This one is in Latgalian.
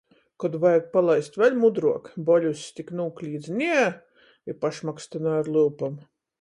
Kod vajag palaist vēļ mudruok, Boļuss tik nūklīdz "Nie!" i pašmakstynoj ar lyupom.